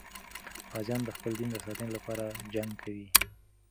غازیان د خپل دین د ساتنې لپاره جنګ کوي.